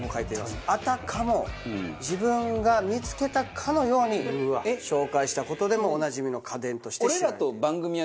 あたかも自分が見付けたかのように紹介した事でもおなじみの家電として。